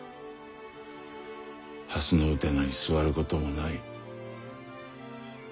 蓮のうてなに座ることもない。